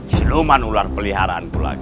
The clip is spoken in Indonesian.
seluman ular peliharaanku lagi